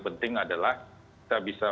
penting adalah kita bisa